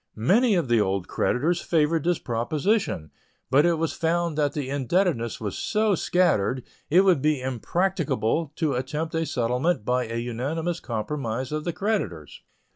Many of the old creditors favored this proposition; but it was found that the indebtedness was so scattered it would be impracticable to attempt a settlement by an unanimous compromise of the creditors.